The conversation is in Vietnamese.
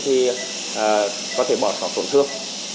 thì có thể bỏ sọt tổn thương